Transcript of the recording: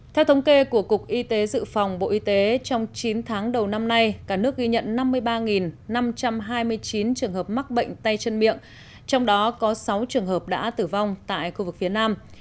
theo thống kê của cục y tế dự phòng bộ y tế trong chín tháng đầu năm nay cả nước ghi nhận năm mươi ba năm trăm hai mươi chín trường hợp mắc bệnh tay chân miệng trong đó có sáu trường hợp đã tử vong tại khu vực phía nam